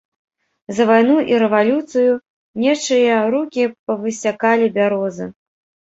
За вайну і рэвалюцыю нечыя рукі павысякалі бярозы.